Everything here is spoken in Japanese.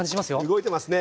動いてますね。